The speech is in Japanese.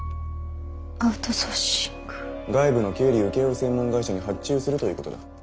外部の経理請負専門会社に発注するということだ。